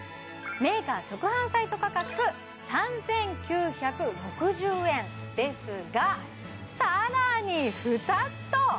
メーカー直販サイト価格３９６０円ですがさらに２つと！